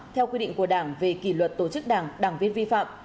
theo quy định của đảng về kỷ luật tổ chức đảng đảng viên vi phạm